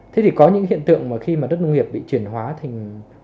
thế thì có những hiện tượng mà khi mà đất nông nghiệp bị chuyển hóa thì